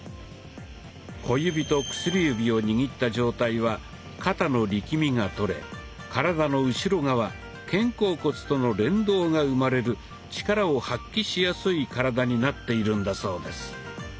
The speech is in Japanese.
小指と薬指を握った状態は肩の力みがとれ体の後ろ側・肩甲骨との連動が生まれる力を発揮しやすい体になっているんだそうです。